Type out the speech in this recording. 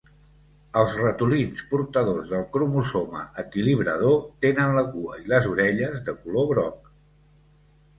Els ratolins portadors del cromosoma equilibrador tenen la cua i les orelles de color groc.